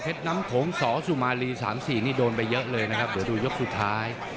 น้ำโขงสสุมารี๓๔นี่โดนไปเยอะเลยนะครับเดี๋ยวดูยกสุดท้าย